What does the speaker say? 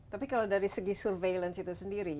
tapi kalau dari segi surveillance itu sendiri